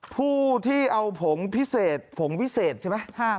ผู้ที่เอาผงพิเศษผงวิเศษใช่ไหม